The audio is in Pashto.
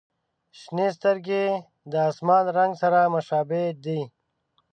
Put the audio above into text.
• شنې سترګې د آسمان رنګ سره مشابه دي.